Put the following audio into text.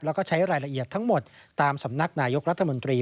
แล้วก็ใช้รายละเอียดทั้งหมดตามสำนักนายกรัฐมนตรี